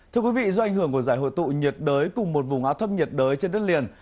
thưa quý vị do ảnh hưởng của giải hội tụ nhiệt đới cùng một vùng áp thấp nhiệt đới trên đất liền